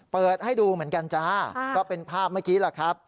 เปิดให้ดูเหมือนกันจ้าก็เป็นภาพเมื่อกี้แหละครับ